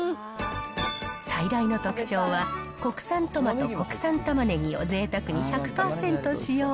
最大の特徴は、国産トマト、国産たまねぎをぜいたくに１００％使用。